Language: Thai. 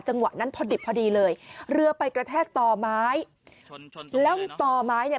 จังหวะนั้นพอดิบพอดีเลยเรือไปกระแทกต่อไม้แล้วต่อไม้เนี่ย